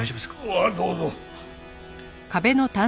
ああどうぞ。